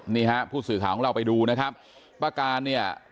นี่ฮะผู้สื่อข่าวของเราไปดูนะครับป้าการเนี่ย